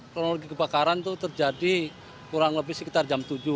kronologi kebakaran itu terjadi kurang lebih sekitar jam tujuh